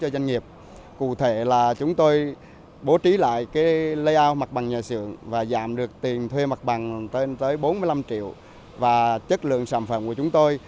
đến hỗ trợ các doanh nghiệp vừa và nhỏ